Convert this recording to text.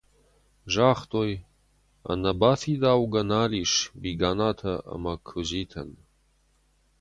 Загътой: «Ӕнӕбафидаугӕ нал ис Биганатӕ ӕмӕ Куыдзитӕн!»